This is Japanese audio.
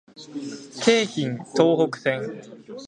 京浜東北線